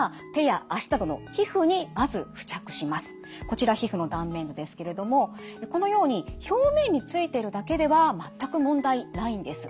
こちら皮膚の断面図ですけれどもこのように表面についてるだけでは全く問題ないんです。